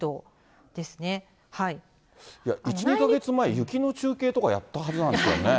いや、１、２か月前、雪の中継とかやったはずなんですよね。